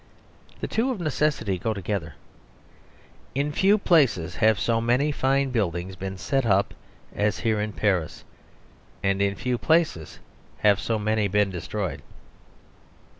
The two of necessity go together. In few places have so many fine public buildings been set up as here in Paris, and in few places have so many been destroyed.